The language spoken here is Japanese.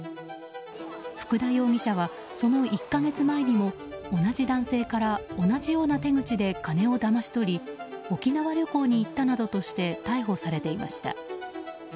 福田容疑者はその１か月前にも同じ男性から同じような手口で金をだまし取り沖縄旅行に行ったなどとして逮捕されていました。